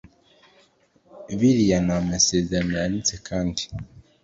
bigirana amasezerano yanditse kandi